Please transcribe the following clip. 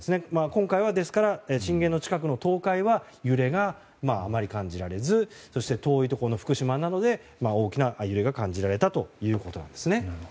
今回はですから震源の近くの東海は揺れがあまり感じられず遠いところの、福島などで大きな揺れが感じられたということなんです。